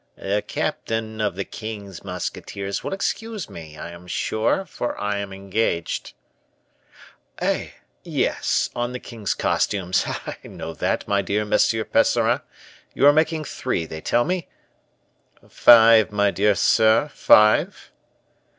"The captain of the king's musketeers will excuse me, I am sure, for I am engaged." "Eh! yes, on the king's costumes; I know that, my dear Monsieur Percerin. You are making three, they tell me." "Five, my dear sir, five."